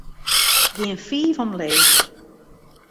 Gean fiif omleech.